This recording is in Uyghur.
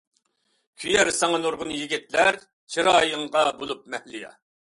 كۆيەر ساڭا نۇرغۇن يىگىتلەر، چىرايىڭغا بولۇپ مەھلىيا.